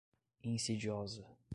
insidiosa